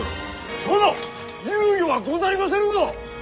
殿猶予はござりませぬぞ！